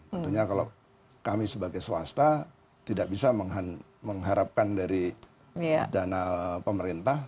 tentunya kalau kami sebagai swasta tidak bisa mengharapkan dari dana pemerintah